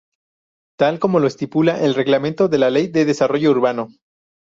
Tal como lo estipula el Reglamento de la Ley de Desarrollo Urbano.